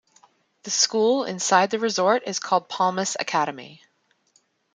The school inside the resort is called Palmas Academy.